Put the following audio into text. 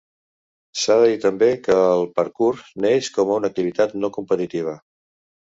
S’ha de dir també que el parkour neix com una activitat no competitiva.